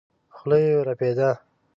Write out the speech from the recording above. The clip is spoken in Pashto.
خوله يې رپېده.